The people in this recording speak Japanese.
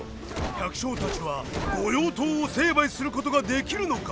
百姓たちは御用盗を成敗することができるのか？